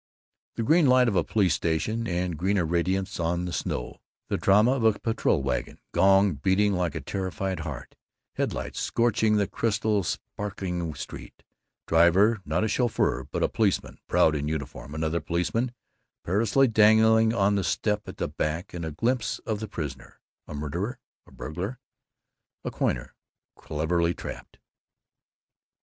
The green light of a police station, and greener radiance on the snow; the drama of a patrol wagon gong beating like a terrified heart, headlights scorching the crystal sparkling street, driver not a chauffeur but a policeman proud in uniform, another policeman perilously dangling on the step at the back, and a glimpse of the prisoner. A murderer, a burglar, a coiner cleverly trapped?